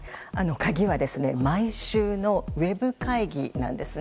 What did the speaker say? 鍵は毎週のウェブ会議なんです。